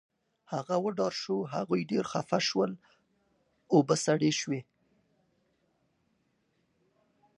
هغه وډار شو، هغوی ډېر خفه شول، اوبې سړې شوې